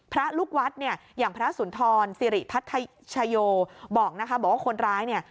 พระลูกวัดอย่างพระสุนทรสิริพัทชโชบอกว่าคนร้าย